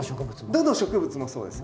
どの植物もそうです。